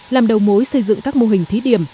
làm đầu mối xây dựng các mô hình thí điểm